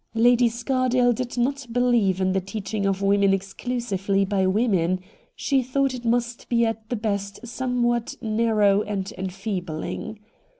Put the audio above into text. Lady Scar dale did not believe in the teaching of women exclusively by women — she thought it must be at the best somewhat narrow and enfeebhng.